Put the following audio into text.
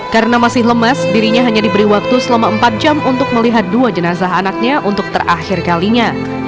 karena masih lemas dirinya hanya diberi waktu selama empat jam untuk melihat dua jenazah anaknya untuk terakhir kalinya